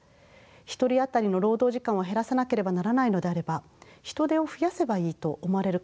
１人当たりの労働時間を減らさなければならないのであれば人手を増やせばいいと思われるかもしれません。